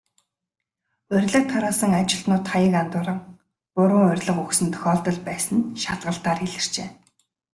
Урилга тараасан ажилтнууд хаяг андууран, буруу урилга өгсөн тохиолдол байсан нь шалгалтаар илэрчээ.